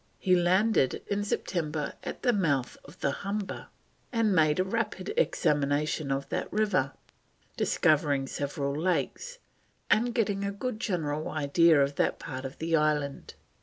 He landed in September at the mouth of the Humber, and made a rapid examination of that river, discovering several lakes, and getting a good general idea of that part of the island.